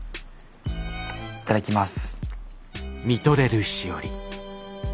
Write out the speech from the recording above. いただきます。